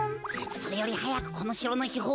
それよりはやくこのしろのひほう